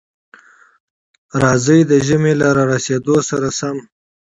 راځئ، د ژمي له را رسېدو سره سم،